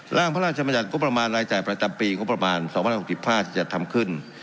ร่างพระราชมัญญัติงบประมาณรายจ่ายประจำปีงบประมาณ๒๐๖๕จะทำขึ้น